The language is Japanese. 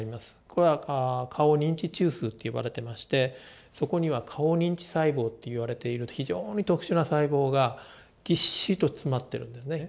これは顔認知中枢って呼ばれてましてそこには顔認知細胞っていわれている非常に特殊な細胞がぎっしりと詰まってるんですね。